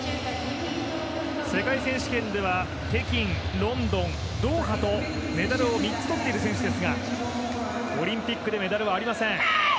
世界選手権では北京、ロンドン、ドーハとメダルを３つとっている選手ですがオリンピックでメダルはありません。